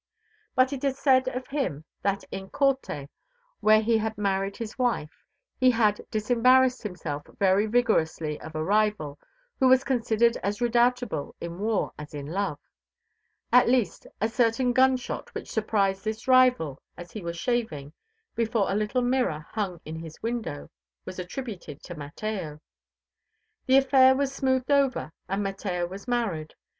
But it is said of him that in Corte, where he had married his wife, he had disembarrassed himself very vigorously of a rival who was considered as redoubtable in war as in love; at least, a certain gun shot which surprised this rival as he was shaving before a little mirror hung in his window was attributed to Mateo. The affair was smoothed over and Mateo was married.